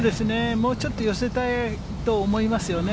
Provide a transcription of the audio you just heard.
もうちょっと寄せたいと思いますよね。